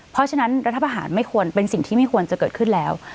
เพราะฉะนั้นรัฐประหารไม่ควรเป็นสิ่งที่ไม่ควรจะเกิดขึ้นแล้ว